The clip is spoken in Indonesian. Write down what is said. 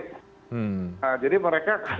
jadi mereka mengalami gejala yang dimaksud